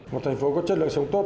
một thành phố có chất lượng sống tốt